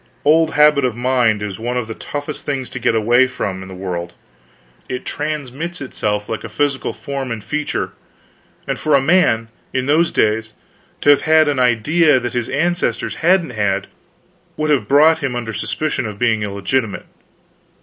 Old habit of mind is one of the toughest things to get away from in the world. It transmits itself like physical form and feature; and for a man, in those days, to have had an idea that his ancestors hadn't had, would have brought him under suspicion of being illegitimate.